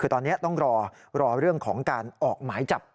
คือตอนนี้ต้องรอเรื่องของการออกหมายจับ